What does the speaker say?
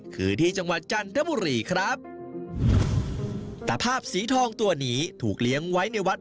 คือที่จังหวัดจันทบุรีครับตะภาพสีทองตัวนี้ถูกเลี้ยงไว้ในวัด